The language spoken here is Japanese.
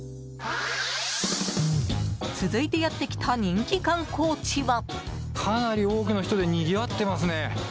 続いてやってきた人気観光地は。